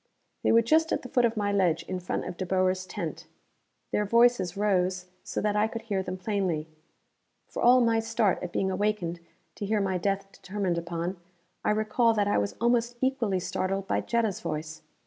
They were just at the foot of my ledge, in front of De Boer's tent. Their voices rose so that I could hear them plainly. For all my start at being awakened to hear my death determined upon, I recall that I was almost equally startled by Jetta's voice.